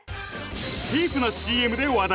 チープなＣＭで話題！